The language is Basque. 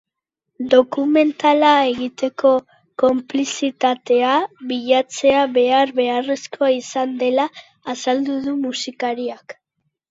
Dokumentala egiteko, konplizitatea bilatzea behar-beharrezkoa izan dela azaldu du musikariak.